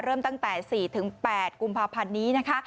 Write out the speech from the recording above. เริ่มตั้งแต่สี่ถึงแปดกุมภาพันธ์นี้นะคะ